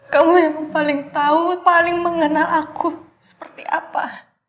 kamu yang paling tahu paling mengenal aku seperti apa